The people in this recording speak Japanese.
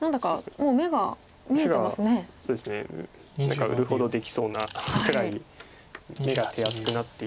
何か売るほどできそうなくらい眼が手厚くなっているので。